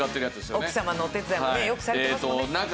奥様のお手伝いもねよくされてますもんね。